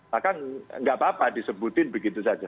bahkan tidak apa apa disebutkan begitu saja